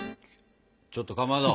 ちょっとかまど！